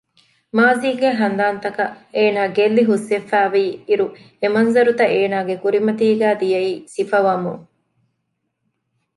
މާޒީގެ ހަނދާންތަކަށް އޭނާ ގެއްލި ހުސްވެފައިވީ އިރު އެ މަންޒަރުތައް އޭނާގެ ކުރިމަތީގައި ދިޔައީ ސިފަވަމުން